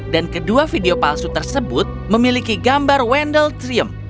dan kedua video palsu tersebut memiliki gambar wendell trium